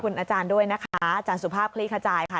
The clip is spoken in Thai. คุณอาจารย์ด้วยนะคะอาจารย์สุภาพคลี่ขจายค่ะ